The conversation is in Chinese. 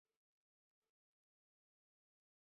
这是瑞士卓越的工程和创新的证明。